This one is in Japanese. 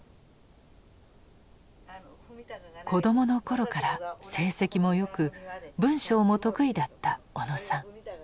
子どもの頃から成績も良く文章も得意だった小野さん。